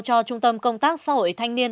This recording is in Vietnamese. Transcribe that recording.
cho trung tâm công tác xã hội thanh niên